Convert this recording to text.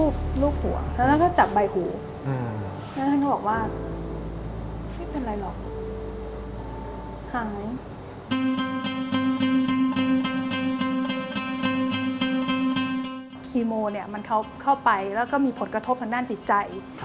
คีโมเข้าไปแล้วก็มีผลกระทบทางด้านจิตใจ